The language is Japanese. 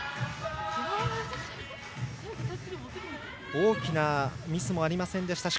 大きなミスもありませんでしたし